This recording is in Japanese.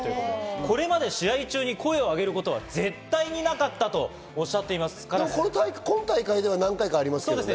これまで試合中に声を上げることは絶対になかったと今大会では何回かありましたね。